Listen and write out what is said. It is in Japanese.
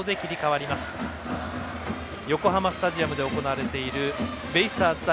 横浜スタジアムで行われているベイスターズ対